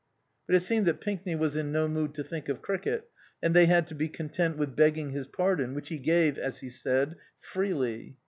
But it seemed that Pinkney was in no mood to think of cricket, and they had to be content with begging his pardon, which he gave, as he said, "freely."